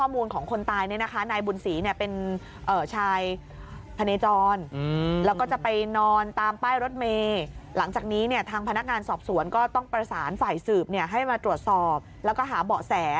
มาตรวจสอบแล้วก็หาเบาะแส